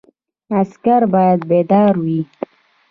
عسکر باید بیدار وي